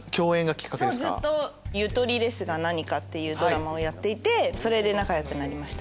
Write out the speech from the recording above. ずっと『ゆとりですがなにか』ってドラマをやっていてそれで仲良くなりました。